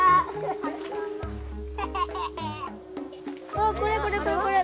あこれこれこれこれ。